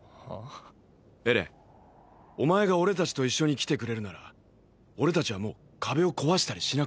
エレンお前が俺たちと一緒に来てくれるなら俺たちはもう壁を壊したりしなくていいんだ。